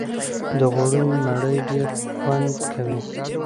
د غوړيو مړۍ ډېره خوند کوي